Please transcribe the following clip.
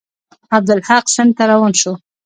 عبدالحق سند ته روان شو.